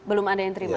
belum ada yang menerima